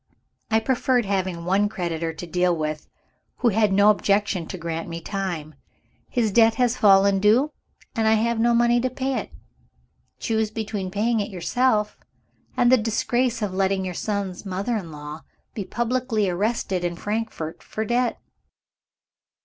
I preferred having one creditor to deal with, who had no objection to grant me time. His debt has fallen due; and I have no money to pay it. Choose between paying it yourself, and the disgrace of letting your son's mother in law be publicly arrested in Frankfort for debt."